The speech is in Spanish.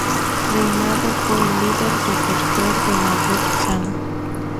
Reinado fue el líder desertor de mayor rango.